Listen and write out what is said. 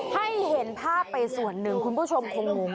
ให้เห็นภาพไปส่วนหนึ่งคุณผู้ชมคงง